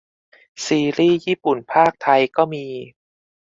ซีรีย์ญี่ปุ่นพากษ์ไทยก็มี